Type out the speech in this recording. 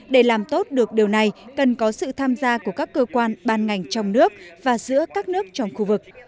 để làm tốt được điều này cần có sự tham gia của các cơ quan ban ngành trong nước và giữa các nước trong khu vực